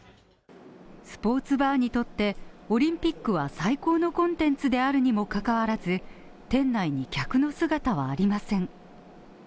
スポーツバーにとって、オリンピックは最高のコンテンツであるにもかかわらず、店内に客の姿はありません。